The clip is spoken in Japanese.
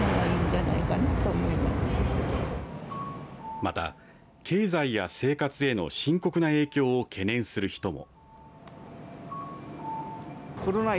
また、経済や生活への深刻な影響を懸念する人も。